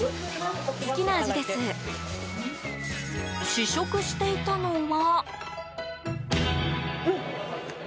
試食していたのは。